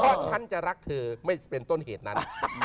เพราะฉันจะรักเธอไม่เป็นต้นเหตุนั้น